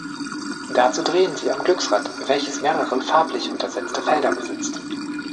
Dazu drehen sie am Glücksrad, welches mehrere farblich untersetzte Felder besitzt.